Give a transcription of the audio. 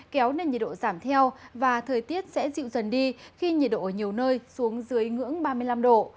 kéo nên nhiệt độ giảm theo và thời tiết sẽ dịu dần đi khi nhiệt độ ở nhiều nơi xuống dưới ngưỡng ba mươi năm độ